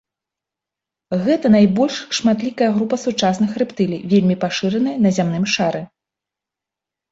Гэта найбольш шматлікая група сучасных рэптылій, вельмі пашыраная на зямным шары.